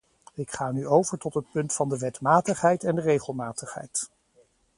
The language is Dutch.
Ik ga nu over tot het punt van de wetmatigheid en de regelmatigheid.